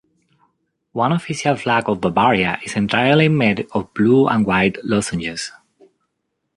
One official flag of Bavaria is entirely made of blue and white lozenges.